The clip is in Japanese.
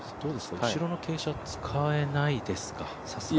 後ろの傾斜、使えないですか、さすがに。